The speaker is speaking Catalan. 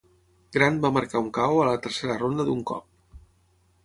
Grant va marcar un KO a la tercera ronda d'un cop.